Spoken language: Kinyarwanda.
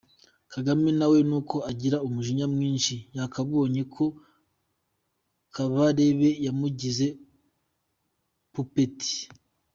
Kagame nawe nuko agira umujinya mwinshi yakabonye ko Kabarebe yamugize puppet.